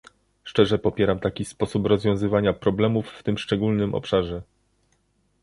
szczerze popieram taki sposób rozwiązywania problemów w tym szczególnym obszarze